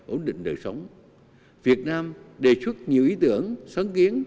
ổn định đời sống việt nam đề xuất nhiều ý tưởng sáng kiến